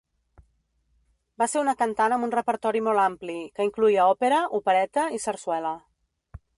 Va ser una cantant amb un repertori molt ampli, que incloïa òpera, opereta i sarsuela.